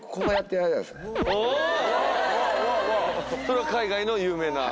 それは海外の有名な？